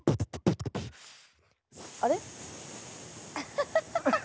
あれ？